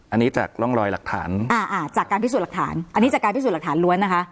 อันนี้จากร่องรอยหลักฐานอ่าอ่าจากการพิสูจน์หลักฐานอันนี้จากการพิสูจน์หลักฐานล้วนนะคะ